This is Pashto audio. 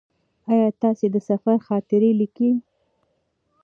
ایا تاسې د سفر خاطرې لیکئ؟